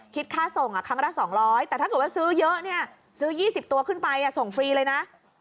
คิดค่าส่งครั้งละ๒๐๐แต่ถ้าเกิดว่าซื้อเยอะเนี่ยซื้อ๒๐ตัวขึ้นไปส่งฟรีเลยนะ